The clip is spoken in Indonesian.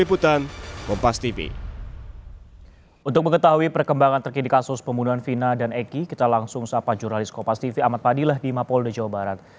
untuk mengetahui perkembangan terkini kasus pembunuhan fina dan eki kita langsung sahabat jurnalis kopastv ahmad fadilah di mapolde jawa barat